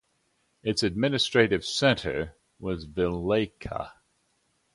Its administrative centre was Vileyka.